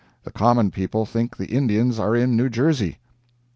The common people think the Indians are in New Jersey."